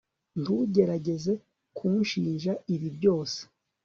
Ntugerageze kunshinja ibi byose